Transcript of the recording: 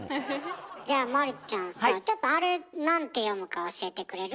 じゃあマリちゃんさちょっとあれ何て読むか教えてくれる？